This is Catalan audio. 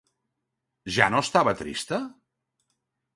Ja no estava trista?